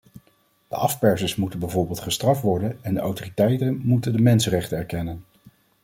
De afpersers moeten bijvoorbeeld gestraft worden en de autoriteiten moeten de mensenrechten erkennen.